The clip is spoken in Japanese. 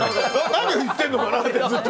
何を言ってるのかなって。